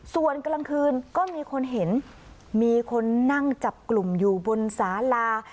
ส่วนกลางคืนก็มีคนเห็นมีคนนั่งจับกลุ่มอยู่บนสาลา